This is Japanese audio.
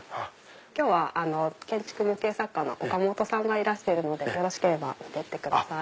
今日は建築模型作家のｏｋａｍｏｔｏさんがいらしてるのでよろしければ見てってください。